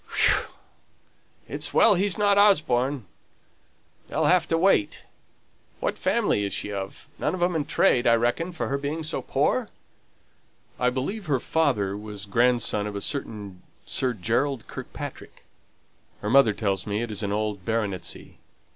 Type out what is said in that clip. "Whew! It's well he's not Osborne. They'll have to wait. What family is she of? None of 'em in trade, I reckon, from her being so poor?" "I believe her father was grandson of a certain Sir Gerald Kirkpatrick. Her mother tells me it is an old baronetcy.